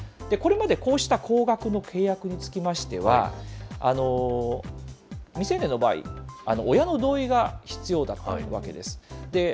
これまでこうした高額の契約につきましては、未成年の場合、親の同意が必要だったわけです。